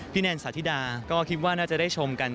แนนสาธิดาก็คิดว่าน่าจะได้ชมกัน